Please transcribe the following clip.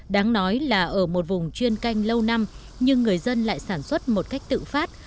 đáng nói là ở một vùng chuyên canh lâu năm nhưng người dân lại sản xuất một cách tự phát